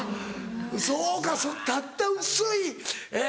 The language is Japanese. そうかたった薄いえ。